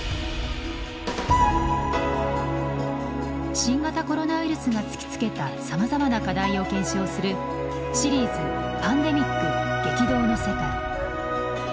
新型コロナウイルスが突きつけたさまざまな課題を検証するシリーズ「パンデミック激動の世界」。